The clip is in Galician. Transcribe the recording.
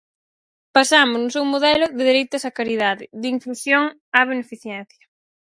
Pasamos, no seu modelo, de dereitos a caridade; de inclusión a beneficencia.